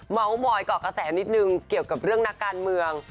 เมาส์มอยเกาะกระแสนิดนึงเกี่ยวกับเรื่องนักการเมือง